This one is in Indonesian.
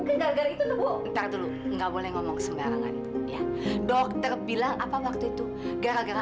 sejare jarek ibu entar dulu enggak boleh ngomong dalam yang dokter bilang apa waktu itu gara gara